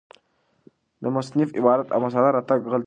د مصنف عبارت او مسأله راته غلطه معلومه شوه،